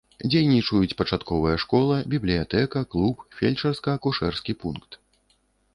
Дзейнічаюць пачатковая школа, бібліятэка, клуб, фельчарска-акушэрскі пункт.